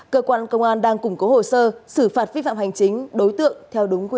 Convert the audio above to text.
cơ quan công an đang củng cố hồ sơ xử phạt vi phạm hành chính đối tượng theo đúng quy định